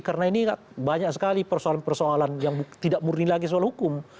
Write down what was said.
karena ini banyak sekali persoalan persoalan yang tidak murni lagi soal hukum